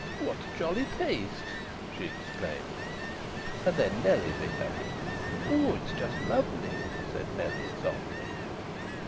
"What a jolly taste!" she exclaimed. And then Nellie bit at it. "Oh, it's just lovely!" said Nellie, softly.